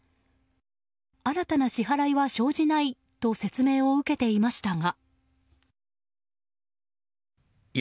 新たな支払いは生じないと説明を受けていましたが。